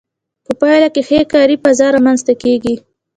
په پایله کې ښه کاري فضا رامنځته کیږي.